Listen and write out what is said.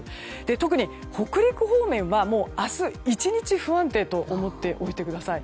特に北陸方面は明日１日不安定と思っておいてください。